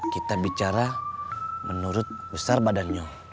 kita bicara menurut besar badannya